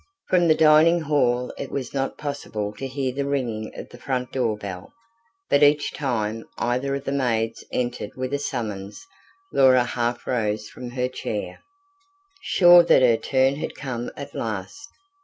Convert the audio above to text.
From the dining hall, it was not possible to hear the ringing of the front door bell; but each time either of the maids entered with a summons, Laura half rose from her chair, sure that her turn had come at last.